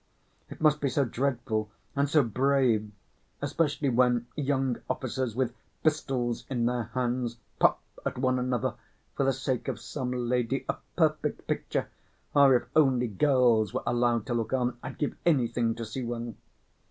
"It must be so dreadful and so brave, especially when young officers with pistols in their hands pop at one another for the sake of some lady. A perfect picture! Ah, if only girls were allowed to look on, I'd give anything to see one!"